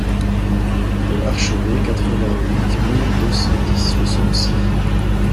Le Harcholet, quatre-vingt-huit mille deux cent dix Le Saulcy